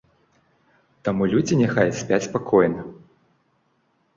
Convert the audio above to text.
Таму людзі няхай спяць спакойна.